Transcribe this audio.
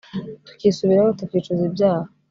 tukisubiraho tukicuza ibyaha